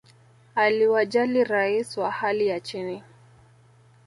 aliwajali rais wa hali ya chini